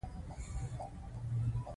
بیرغ له لاسه مه پرېږده.